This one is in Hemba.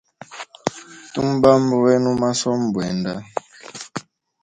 Tu mubamba wena u masomo bwenda.